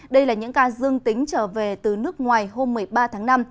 đây là những ca dương tính trở về từ nước ngoài hôm một mươi ba tháng năm